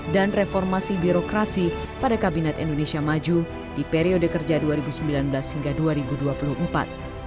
dan reformasi birokrasi pada kabinet indonesia maju di periode kerja dua ribu sembilan belas hingga dua ribu dua puluh empat